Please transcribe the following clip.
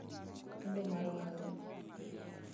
Lendo mar ohala